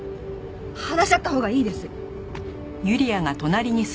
話し合ったほうがいいです。